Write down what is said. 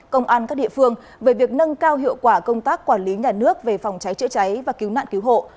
công an các địa phương về việc nâng cao hiệu quả công tác quản lý nhà nước về phòng cháy chữa cháy và cứu nạn cứu hộ